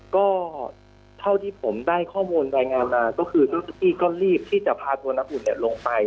ก็เท่าที่ผมได้ข้อมูลรายงานมาก็คือเจ้าที่ก็รีบที่จะพาตัวน้ำอุ่นลงไป